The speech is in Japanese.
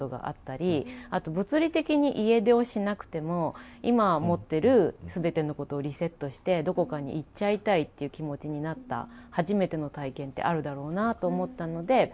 あと物理的に家出をしなくても今持ってる全てのことをリセットしてどこかに行っちゃいたいっていう気持ちになった初めての体験ってあるだろうなと思ったので家出を選んで。